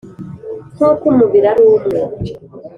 Nk'uko umubiri ari umwe,